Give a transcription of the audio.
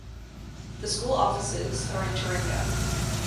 The school offices are in Taringa.